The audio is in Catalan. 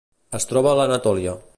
Es troba a l'Anatòlia.